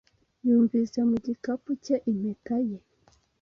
Yumvise mu gikapu cye impeta ye.